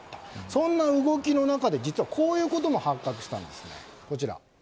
そんな動きの中で実はこういうことも発覚したんです。